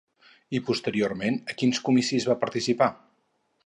I posteriorment a quins comicis va participar?